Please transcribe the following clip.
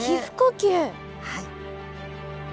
はい。